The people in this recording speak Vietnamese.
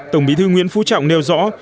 tổng bí thư nguyễn phú trọng nêu rõ